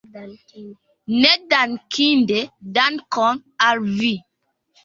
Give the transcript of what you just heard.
Nedankinde, dankon al vi!